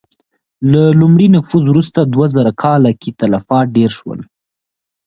له لومړي نفوذ وروسته دوه زره کاله کې تلفات ډېر شول.